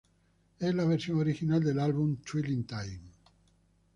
Es la versión original del álbum Twilight Time.